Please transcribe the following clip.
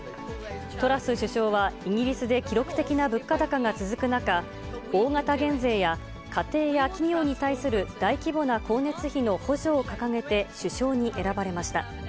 トラス首相は、イギリスで記録的な物価高が続く中、大型減税や家庭や企業に対する大規模な光熱費の補助を掲げて、首相に選ばれました。